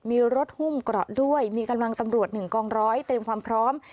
มีรถหุ้มเกราะด้วยมีกำลังตำรวจ๑กองร้อยเตรียมความพร้อม